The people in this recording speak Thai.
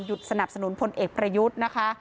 สนับสนุนพลเอกประยุทธ์นะคะ